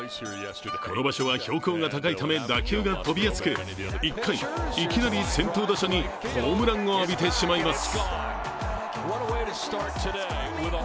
この場所は標高が高いため打球が飛びやすく１回、いきなり先頭打者にホームランを浴びてしまいます。